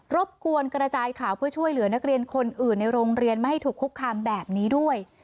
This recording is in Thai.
บกวนกระจายข่าวเพื่อช่วยเหลือนักเรียนคนอื่นในโรงเรียนไม่ให้ถูกคุกคามแบบนี้ด้วย